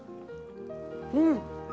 うん！